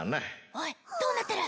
おいどうなってる？